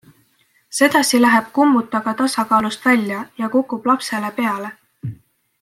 Sedasi läheb kummut aga tasakaalust välja ja kukub lapsele peale.